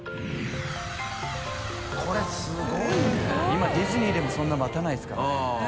今ディズニーでもそんな待たないですからね。